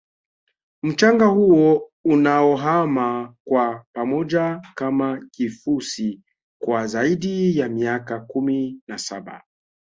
mchanga huo unaohama kwa pamoja Kama kifusi kwa zaidi ya miaka kumi na saba